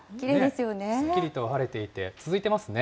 すっきりと晴れていて、続いてますね。